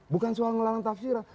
bukan soal ngelarang tafsiran